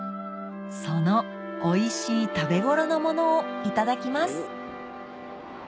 そのおいしい食べ頃のものをいただきます